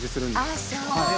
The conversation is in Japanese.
「ああそう！」